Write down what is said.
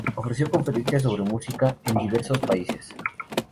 Ofreció conferencias sobre música en diversos países.